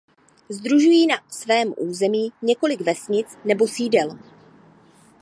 Sdružují na svém území několik vesnic nebo sídel.